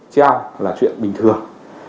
dữ liệu tiêm chủng